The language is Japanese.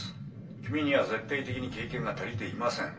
君には絶対的に経験が足りていません。